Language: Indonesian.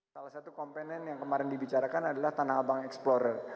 salah satu komponen yang kemarin dibicarakan adalah tanah abang explorer